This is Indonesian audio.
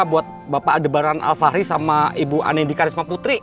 buat bapak adebaran al fahri sama ibu anindika risma putri